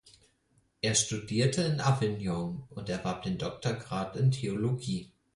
Er studierte in Avignon und erwarb den Doktorgrad in Theologie.